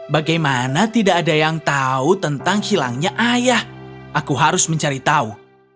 bagaimana tidak ada yang tahu tentang hilangnya ayah aku harus mencari tahu